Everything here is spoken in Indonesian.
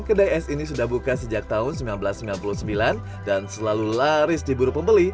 kedai es ini sudah buka sejak tahun seribu sembilan ratus sembilan puluh sembilan dan selalu laris diburu pembeli